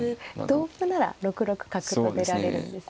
同歩なら６六角と出られるんですね。